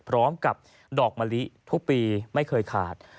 พร้อมกับดอกมะลิทุกปีไม่เคยขาด